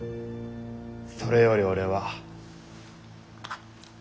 それより俺は。